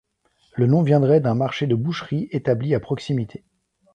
Le nom viendrait d'un marché de boucherie établi à proximité.